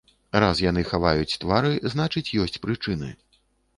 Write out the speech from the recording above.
Раз яны хаваюць твары, значыць, ёсць прычыны.